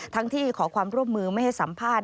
ที่ขอความร่วมมือไม่ให้สัมภาษณ